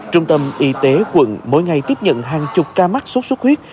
trung tâm y tế quận mỗi ngày tiếp nhận hàng chục ca mắc sốt xuất huyết